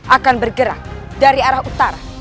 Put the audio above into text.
akan bergerak dari arah utara